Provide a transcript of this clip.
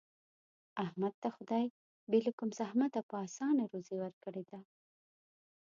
احمد ته خدای بې له کوم زحمته په اسانه روزي ورکړې ده.